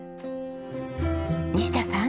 西田さん。